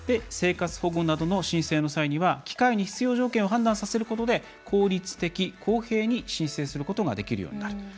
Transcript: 生活保護など申請の際には機械に必要条件を判断させることで効率的、公平に申請することができるようになる。